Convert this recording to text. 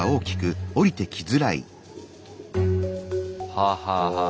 はあはあはあ。